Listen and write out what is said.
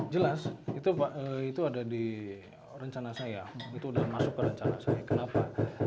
jelas itu ada di rencana saya itu sudah masuk ke rencana saya kenapa